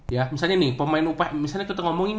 ya misalnya nih pemain upah misalnya kita ngomongin